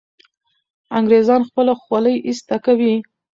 انګریزان خپله خولۍ ایسته کوي.